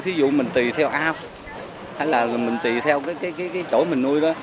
thí dụ mình tùy theo ao hay là mình tùy theo cái chỗ mình nuôi đó